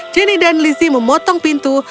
jenny dan lizzy memotong pintu